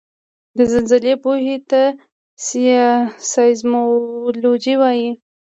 د زلزلې پوهې ته سایزمولوجي وايي